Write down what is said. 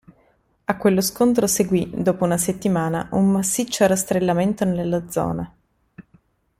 A quello scontro seguì, dopo una settimana, un massiccio rastrellamento nella zona.